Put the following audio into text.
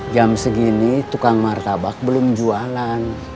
jam segini tukang martabak belum jualan